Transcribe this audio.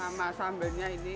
sama sambelnya ini